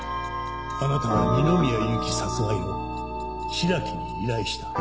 あなたは二宮ゆき殺害を白木に依頼した。